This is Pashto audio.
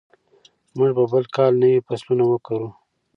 موږ به بل کال نوي فصلونه وکرو.